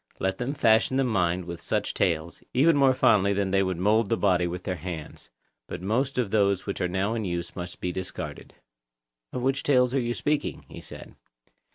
Let them fashion the mind with such tales, even more fondly than they mould the body with their hands; but most of those which are now in use must be discarded. Of what tales are you speaking? he said.